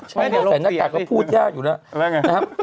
ใช้แหน้ากากก็พูดยากอยู่เนอะ